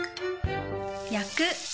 焼く。